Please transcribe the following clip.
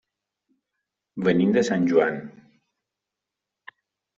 Venim de Sant Joan.